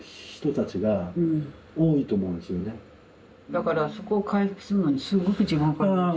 だからそこを回復するのにすっごく時間かかるんですよ。